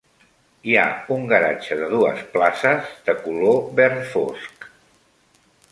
Hi ha un garatge de dues places, de color verd fosc.